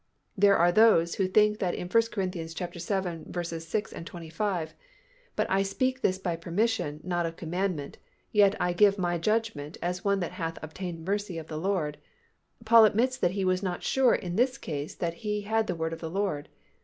There are those who think that in 1 Cor. vii. 6, 25, "But I speak this by permission, not of commandment ... yet I give my judgment as one that hath obtained mercy of the Lord," Paul admits that he was not sure in this case that he had the word of the Lord.